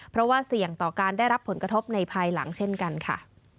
เพราะว่าเสี่ยงต่อการได้รับผลกระทบในภายหลังเช่นกันค่ะ